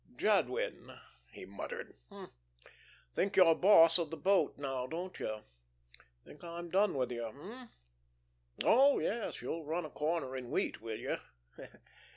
"Jadwin!" he muttered. "Hm! ... Think you're boss of the boat now, don't you? Think I'm done with you, hey? Oh, yes, you'll run a corner in wheat, will you?